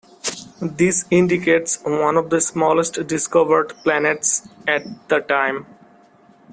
This indicates one of the smallest discovered planets at the time.